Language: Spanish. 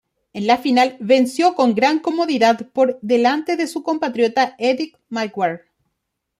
En la final venció con gran comodidad por delante de su compatriota Edith McGuire.